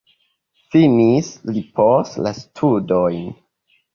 Finis li poste la studojn.